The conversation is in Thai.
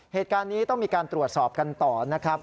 เหตุการณ์นี้ต้องมีการตรวจสอบกันต่อนะครับ